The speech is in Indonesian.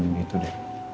paling gak ada yang mau